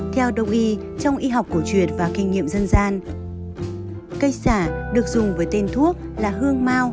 theo đồng ý trong y học cổ truyền và kinh nghiệm dân gian cây xả được dùng với tên thuốc là hương mau